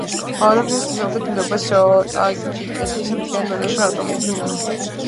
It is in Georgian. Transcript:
დერეფნიდან ჩრდილოეთით მდებარეობს ტაჯიკეთის მთიანი ბადახშანის ავტონომიური ოლქი.